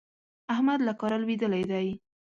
احمد له کاره لوېدلی دی.